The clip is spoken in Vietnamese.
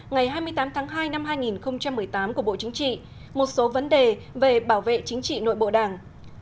ngày hai mươi tám tháng hai năm hai nghìn một mươi tám của bộ chính trị một số vấn đề về bảo vệ chính trị nội bộ đảng